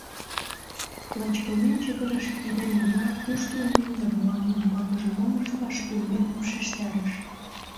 Лач кылмен чытырыше кидем гына кушто улмем да мылам умбакыже мом ышташ кӱлмым шижтарыш.